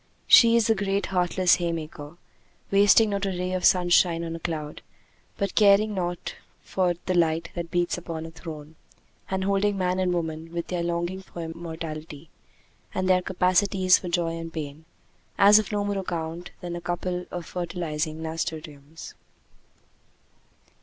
She is the great heartless haymaker, wasting not a ray of sunshine on a clod, but caring naught for the light that beats upon a throne, and holding man and woman, with their longing for immortality, and their capacities for joy and pain, as of no more account than a couple of fertilizing nasturtiums.